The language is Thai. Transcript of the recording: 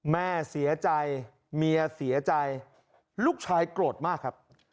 แม่เสียใจเมียเสียใจลูกชายโกรธมากครับ